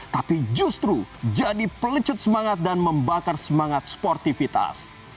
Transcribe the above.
tapi justru jadi pelecut semangat dan membakar semangat sportivitas